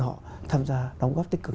họ tham gia đóng góp tích cực